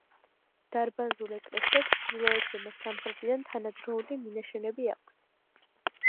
დარბაზულ ეკლესიას ჩრდილოეთიდან და სამხრეთიდან თანადროული მინაშენები აქვს.